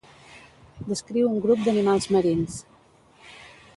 Descriu un grup d'animals marins.